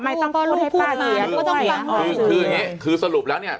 ทำไมต้องพูดให้ป้าเสียด้วยคืออย่างงี้คือสรุปแล้วเนี้ย